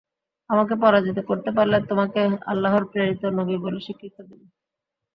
আমাকে পরাজিত করতে পারলে তোমাকে আল্লাহর প্রেরিত নবী বলে স্বীকৃতি দেব।